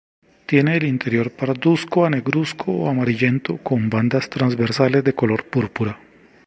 Tiene el interior pardusco a negruzco o amarillento con bandas transversales de color púrpura.